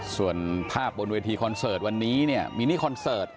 ส่วนภาพบนเวทีคอนเสิร์ตวันนี้เนี่ยมีนี่คอนเสิร์ต